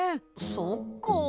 そっか。